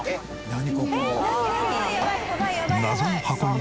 何？